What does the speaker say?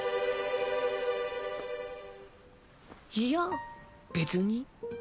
いや別に。